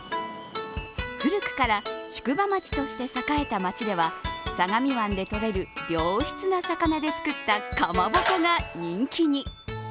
古くから宿場町として栄えた町では相模湾でとれる良質な魚で作ったかまぼこが人気に。